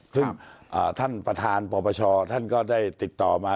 ซึ่งท่านประธานปปชท่านก็ได้ติดต่อมา